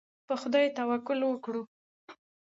په خدای توکل وکړئ.